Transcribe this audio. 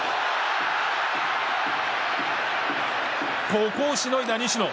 ここをしのいだ西野。